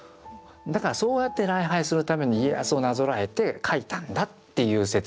だからそうやって礼拝するために家康をなぞらえて描いたんだっていう説。